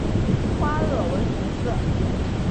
花萼为红色。